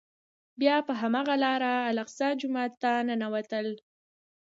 بیا په هماغه لاره الاقصی جومات ته ننوتل.